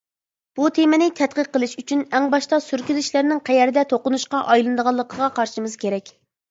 بۇ تېمىنى تەتقىق قىلىش ئۈچۈن، ئەڭ باشتا سۈركىلىشلەرنىڭ قەيەردە توقۇنۇشقا ئايلىنىدىغانلىقىغا قارىشىمىز كېرەك.